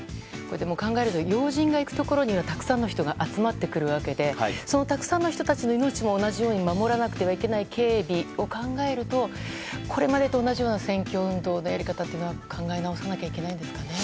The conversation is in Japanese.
考えると要人が行くところにはたくさんの人が集まるわけでそのたくさんの人たちの命も守らなければいけない警備を考えるとこれまでと同じような選挙運動のやり方というのは考え直さなきゃいけないんですかね。